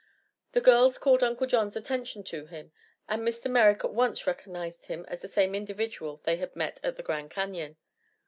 The girls called Uncle John's attention to him, and Mr. Merrick at once recognized him as the same individual they had met at the Grand Canyon.